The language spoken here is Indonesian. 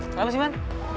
apaan sih man